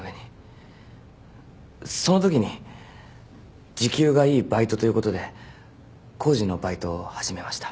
そのときに時給がいいバイトということで工事のバイトを始めました。